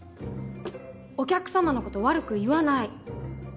お客様のこと悪く言わない。